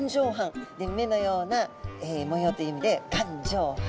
目のような模様という意味で眼状斑。